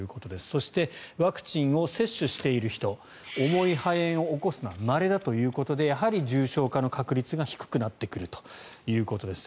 そしてワクチンを接種している人重い肺炎を起こすのはまれだということでやはり重症化の確率が低くなってくるということです。